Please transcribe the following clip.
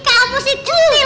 kamu sih cutil